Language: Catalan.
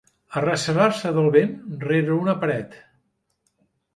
Arrecerar-se del vent rere una paret.